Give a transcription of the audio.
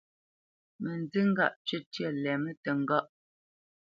Mə nzí ŋgâʼ cwítyə́ lɛmə́ təŋgáʼ.